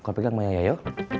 kau pegang mak yaya yuk